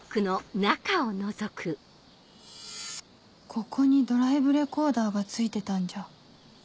ここにドライブレコーダーが付いてたんじゃ？